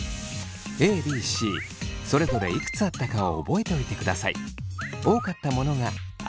ＡＢＣそれぞれいくつあったかを覚えておいてください。